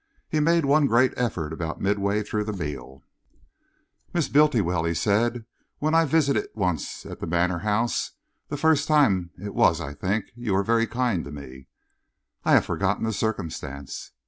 He made one great effort about midway through the meal. "Miss Bultiwell," he said, "when I visited once at the Manor House the first time it was, I think you were very kind to me." "I have forgotten the circumstance."